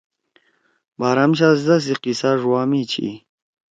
بارام شاھزدا سی قیصا ڙوا می چھی